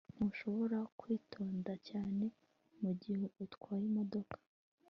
Ntushobora kwitonda cyane mugihe utwaye imodoka